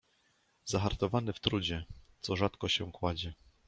Zahartowany w trudzie, co rzadko się kładzie